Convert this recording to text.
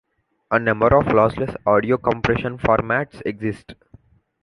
A number of lossless audio compression formats exist.